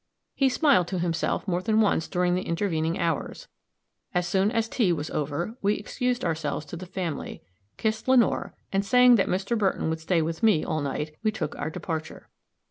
He smiled to himself more than once during the intervening hours. As soon as tea was over, we excused ourselves to the family, kissed Lenore, and, saying that Mr. Burton would stay with me all night, we took our departure.